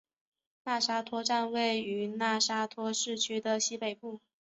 讷沙托站位于讷沙托市区的西北部。